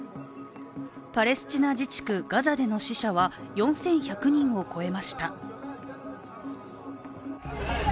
パレスチナ自治区ガザでの死者は４４００人を超えました。